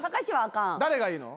誰がいいの？